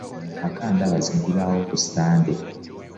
Empaka ndaba ziggulwawo ku ssande.